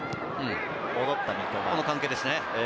戻った三笘。